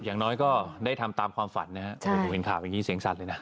อย่างน้อยก็ได้ทำตามความฝันนะฮะโอ้โหเห็นข่าวอย่างนี้เสียงสัตว์เลยนะ